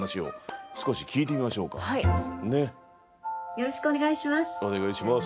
よろしくお願いします。